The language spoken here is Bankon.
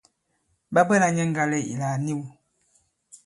Ɓa bwɛla nyɛ ŋgale ìla à niw.